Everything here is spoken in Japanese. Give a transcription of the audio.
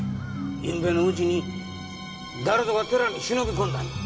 ゆうべのうちに誰ぞが寺に忍び込んだんや。